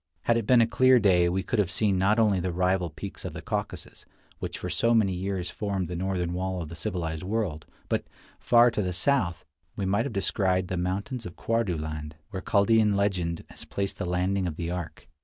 Had it been a clear day we could have seen not only the rival peaks of the Caucasus, which for so many years formed the northern wall of the civilized world, but, far to the south, we might have descried the mountains of Quardu land, where Chaldean legend has placed the landing of the ark.